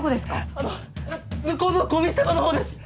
あの向こうのゴミ捨て場のほうです！